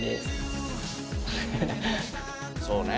そうね。